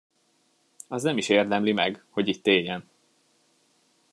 Az nem is érdemli meg, hogy itt éljen!